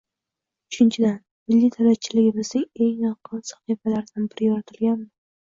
Uchinchidan, milliy davlatchiligimizning eng yorqin sahifalaridan biri yoritilganmi?